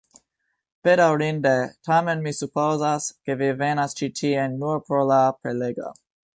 Bedaŭrinde, tamen mi supozas, ke vi venas ĉi tien nur por la prelego